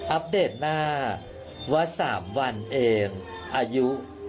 อัปเดตหน้าว่า๓วันเองอายุ